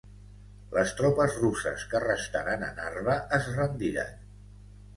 Les tropes russes que restaren a Narva es rendiren.